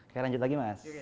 kita lanjut lagi mas